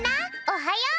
おはよう。